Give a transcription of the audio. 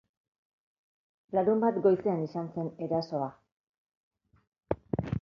Larunbat goizean izan zen erasoa.